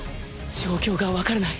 状況が分からない